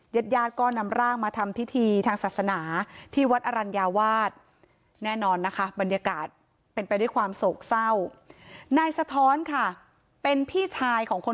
หยัดก็นำร่างมาทำพิธีทางศาสนาที่วัดอรัญวาสแน่นอนนะคะบรรยากาศเป็นเป็นความโศกเศร้า